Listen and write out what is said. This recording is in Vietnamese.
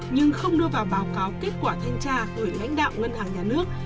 nhưng không đưa vào báo cáo kết quả thanh tra gửi lãnh đạo ngân hàng nhà nước